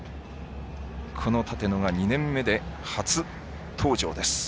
この立野２年目で初登場です。